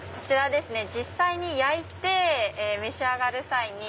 こちら焼いて召し上がる際に。